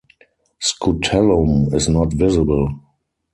Scutellum is not visible.